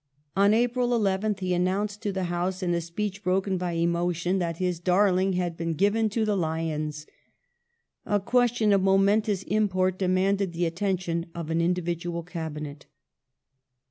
On April 11th he announced to the House, in a speech broken by emotion, that his darling had been given to the lions. A question of momentous import demanded the attention of an individual Cabinet.